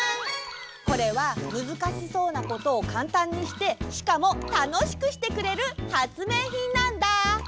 これはむずかしそうなことをかんたんにしてしかもたのしくしてくれるはつめいひんなんだ！